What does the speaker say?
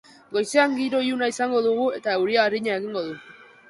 Goizean giro iluna izango dugu eta euria arina egingo du.